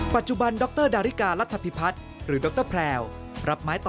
ปัจจุบันดรดาริการัฐพิพัฒน์หรือดรแพรวรับไม้ต่อ